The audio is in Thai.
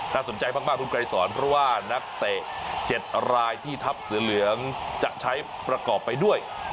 สนใจมากคุณไกรสอนเพราะว่านักเตะ๗รายที่ทัพเสือเหลืองจะใช้ประกอบไปด้วย